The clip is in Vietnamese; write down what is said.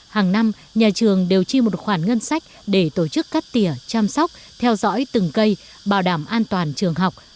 hàng năm nhà trường đều chi một khoản ngân sách để tổ chức cắt tỉa chăm sóc theo dõi từng cây bảo đảm an toàn trường học